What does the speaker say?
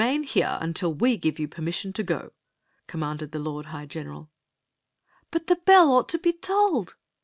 '* we give you permission to go," commanded the lord high general. " But the bell ought to be tolled